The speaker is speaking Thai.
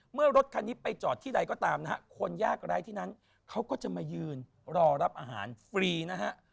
รถคันนี้ไปจอดที่ใดก็ตามนะฮะคนยากไร้ที่นั้นเขาก็จะมายืนรอรับอาหารฟรีนะฮะ